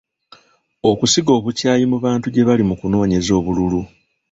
Okusiga obukyayi mu bantu gye bali mu kunoonyeza obululu.